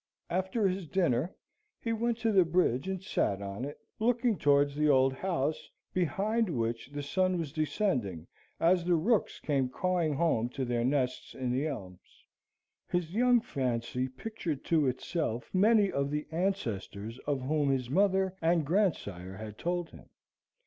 After his dinner, he went to the bridge and sate on it, looking towards the old house, behind which the sun was descending as the rooks came cawing home to their nests in the elms. His young fancy pictured to itself many of the ancestors of whom his mother and grandsire had told him.